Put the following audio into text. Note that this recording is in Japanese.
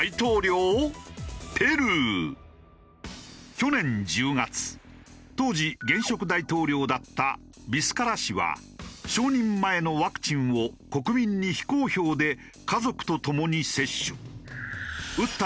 去年１０月当時現職大統領だったビスカラ氏は承認前のワクチンを国民に非公表で家族とともに接種。